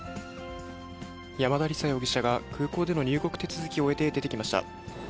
山田李沙容疑者が空港での入国手続きを終えて、出てきました。